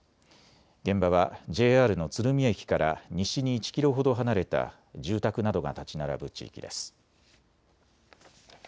現場はＪＲの鶴見駅から西に１キロほど離れた住宅などが建ち並ぶ地域です。